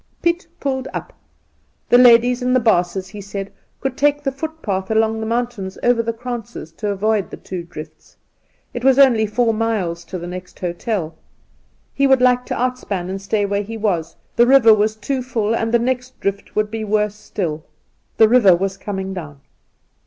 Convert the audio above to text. Piet pulled up. The ladies and the baases, he said, could take the footpath along the mountains over the krantzes and avoid the two drifts. It was only four miles to the next hotel. He would like to outspan and stay where he was — the river was too full, and the next drift would be worse still. The river was coming down.